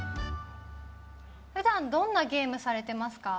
ふだん、どんなゲームされてますか？